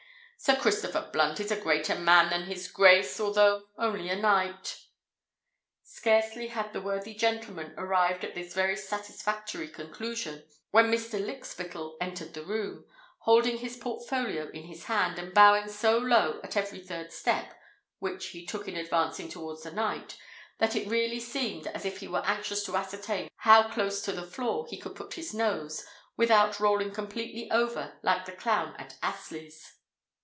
Sir Christopher Blunt is a greater man than his Grace, although only a knight." Scarcely had the worthy gentleman arrived at this very satisfactory conclusion, when Mr. Lykspittal entered the room, holding his portfolio in his hand, and bowing so low at every third step which he took in advancing towards the knight, that it really seemed as if he were anxious to ascertain how close to the floor he could put his nose without rolling completely over like the clown at Astley's.